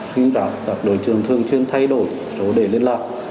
khi gặp các đối tượng thường chuyên thay đổi số đề liên lạc